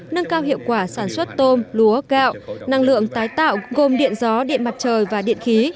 nâng cao hiệu quả sản xuất tôm lúa gạo năng lượng tái tạo gồm điện gió điện mặt trời và điện khí